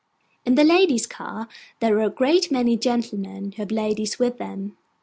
In the ladies' car, there are a great many gentlemen who have ladies with them.